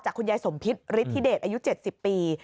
คุณยายสมพิษฤทธิเดชอายุ๗๐ปี